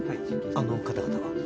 あの方々は？